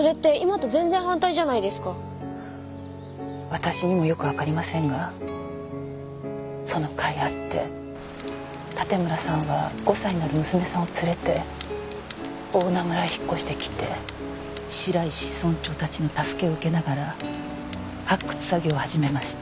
私にもよくわかりませんがその甲斐あって盾村さんは５歳になる娘さんを連れて大菜村へ引っ越してきて白石村長たちの助けを受けながら発掘作業を始めました。